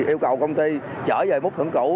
yêu cầu công ty chở về mức thưởng cũ